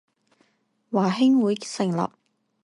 華興會成立